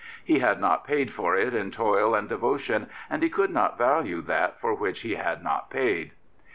He had not paid for it in toil and devotion, and he could not value that for which he had not paid.